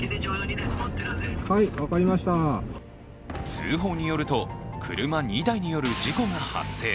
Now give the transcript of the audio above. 通報によると車２台による事故が発生。